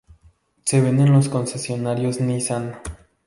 Se venden en los concesionarios Nissan.